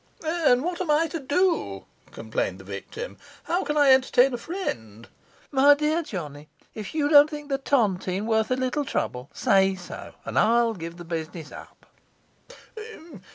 'And what am I to do?' complained the victim. 'How can I entertain a friend?' 'My dear Johnny, if you don't think the tontine worth a little trouble, say so, and I'll give the business up.